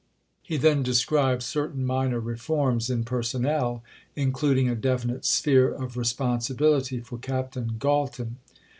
[He then describes certain minor reforms in personnel, including a definite sphere of responsibility for Captain Galton.